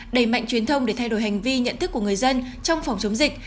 đẩy mạnh truyền thông để thay đổi hành vi nhận thức của người dân trong phòng chống dịch